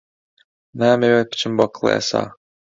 نامەوێت بچم بۆ کڵێسا.